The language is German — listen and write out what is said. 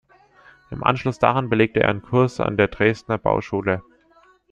Im Anschluss daran belegte er einen Kurs an der Dresdner Bauschule.